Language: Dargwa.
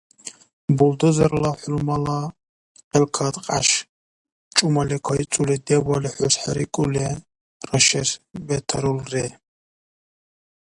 Бульдозерла хӀулрумала къелкад, кьяш чӀумали кайцӀули, дебали хӀусхӀерикӀули рашес бетарулри.